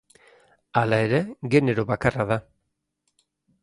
Hala ere genero bakarra da.